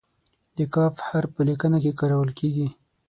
د "ک" حرف په لیکنه کې کارول کیږي.